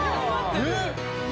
えっ！？